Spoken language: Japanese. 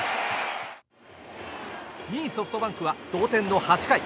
２位、ソフトバンクは同点の８回。